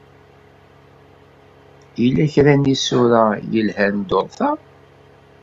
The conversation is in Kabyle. Yella kra n yisura yelhan dduṛt-a?